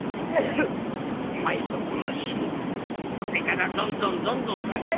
お前とこの身代これからどんどんどんどん栄えるぞ！